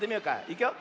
いくよ。